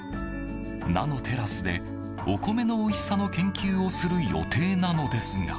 ナノテラスでお米のおいしさの研究をする予定なのですが。